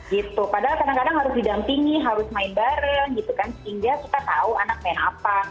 gitu padahal kadang kadang harus didampingi harus main bareng gitu kan sehingga kita tahu anak main apa